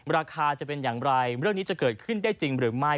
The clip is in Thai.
ราคาจะเป็นอย่างไรเรื่องนี้จะเกิดขึ้นได้จริงหรือไม่